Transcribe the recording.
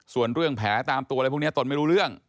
ส่วนเรื่องแผลตามตัวอะไรพวกนี้ตนไม่รู้เรื่อง